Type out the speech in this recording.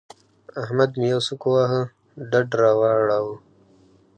احمد مې يوه سوک وواهه؛ ډډ را واړاوو.